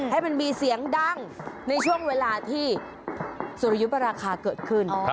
ให้มันมีเสียงดังในช่วงเวลาที่สุริยุปราคาเกิดขึ้น